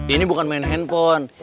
ini bukan main handphone